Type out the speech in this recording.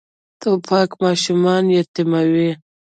توپک ماشومان یتیموي.